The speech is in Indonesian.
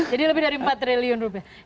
jadi lebih dari empat triliun rupiah